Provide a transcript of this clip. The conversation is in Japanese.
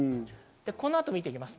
この後を見ていきます。